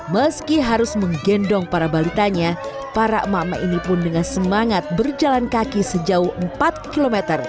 meski harus menggendong para balitanya para emak emak ini pun dengan semangat berjalan kaki sejauh empat km